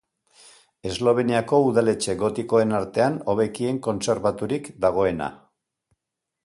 Esloveniako udaletxe gotikoen artean hobekien kontserbaturik dagoena.